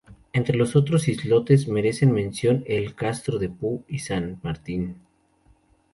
Entre los otros islotes merecen mención el Castro de Poo y San Martín.